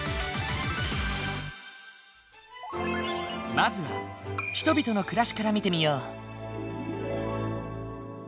まずは人々の暮らしから見てみよう。